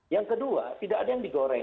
yang kedua tidak ada yang digoreng